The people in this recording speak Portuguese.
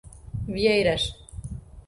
Vieiras